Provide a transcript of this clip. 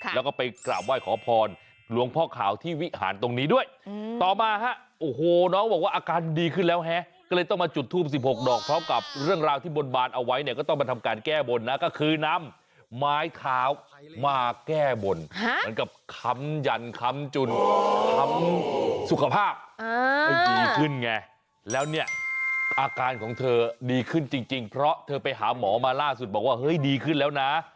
แล้วก็ไปกราบไหว้ขอพรหลวงพ่อข่าวที่วิหารตรงนี้ด้วยต่อมาฮะโอ้โหน้องบอกว่าอาการดีขึ้นแล้วแฮะก็เลยต้องมาจุดทูม๑๖ดอกเท่ากับเรื่องราวที่บนบานเอาไว้เนี่ยก็ต้องมาทำการแก้บนนะก็คือนำไม้ขาวมาแก้บนเหมือนกับคำหยั่นคำจุนคำสุขภาพดีขึ้นไงแล้วเนี่ยอาการของเธอดีขึ้นจริงเพราะเธ